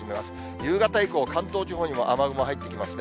夕方以降、関東地方にも雨雲入ってきますね。